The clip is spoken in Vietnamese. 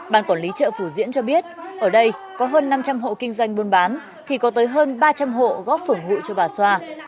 ban quản lý chợ phủ diễn cho biết ở đây có hơn năm trăm linh hộ kinh doanh buôn bán thì có tới hơn ba trăm linh hộ góp phưởng hụi cho bà xoa